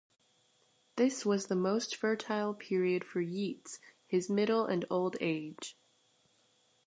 This was the most fertile period for Yeats, his middle and old age.